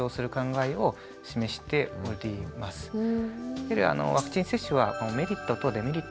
やはりワクチン接種はメリットとデメリット